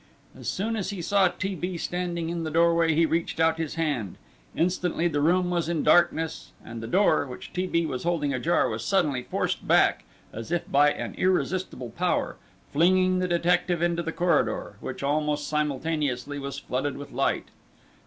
As soon as he saw T. B. standing in the doorway, he reached out his hand. Instantly the room was in darkness, and the door, which T. B. was holding ajar, was suddenly forced back as if by an irresistible power, flinging the detective into the corridor, which almost simultaneously was flooded with light.